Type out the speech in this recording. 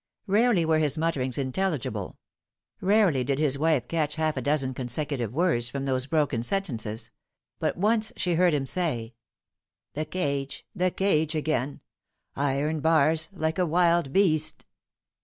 Barely were his mutterings intelligible ; rarely did his wife catch half a dozen consecutive words from those broken sen tences ; but once she heard him say, " The cage the cage again iron bars like a wild beast